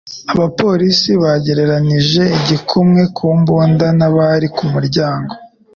Abapolisi bagereranije igikumwe ku mbunda n'abari ku muryango.